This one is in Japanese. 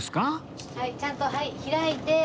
はいちゃんとはい開いて。